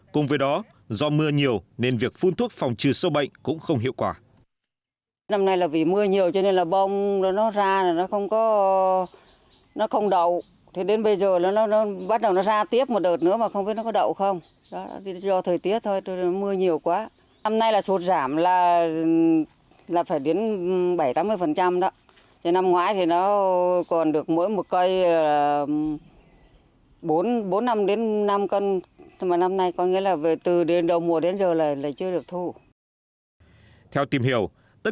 cùng với đó do mưa nhiều nên việc phun thuốc phòng trừ sâu bệnh cũng không hiệu quả